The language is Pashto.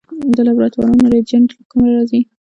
د لابراتوارونو ریجنټ له کومه راځي؟